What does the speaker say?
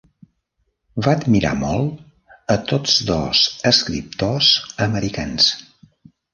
Va admirar molt a tots dos escriptors americans.